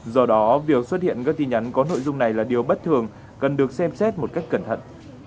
do đó việc xuất hiện các tin nhắn có nội dung này là điều bất thường cần được xem xét một cách cẩn thận